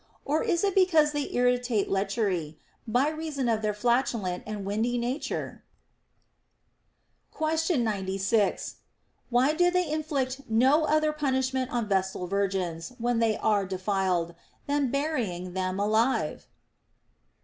Or is it because they irritate lechery, by reason of their flatulent and windy nature ? Question 96. Why do they inflict no other punishment on Vestal Virgins, when they are defiled, than burying them alive